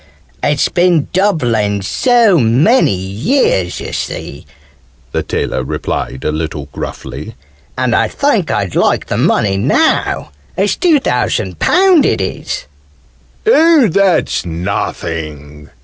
"Well, it's been a doubling so many years, you see," the tailor replied, a little gruffly, "and I think I'd like the money now. It's two thousand pound, it is!" "Oh, that's nothing!"